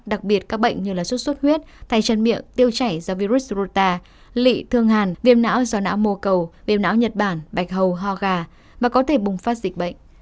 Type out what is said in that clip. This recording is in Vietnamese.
đặc biệt các bệnh như sốt xuất huyết tay chân miệng tiêu chảy do virus rota lị thương hàn viêm não do não mô cầu viêm não nhật bản bạch hầu ho gà mà có thể bùng phát dịch bệnh